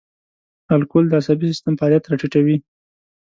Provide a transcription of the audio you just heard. الکول د عصبي سیستم فعالیتونه را ټیټوي.